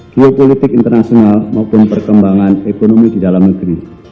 geopolitik internasional maupun perkembangan ekonomi di dalam negeri